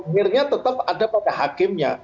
mirnya tetap ada pada hakimnya